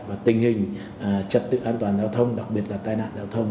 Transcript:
và tình hình trật tự an toàn giao thông đặc biệt là tai nạn giao thông